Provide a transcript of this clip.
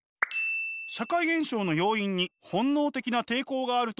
社会現象の要因に本能的な抵抗があるとするアラン哲学。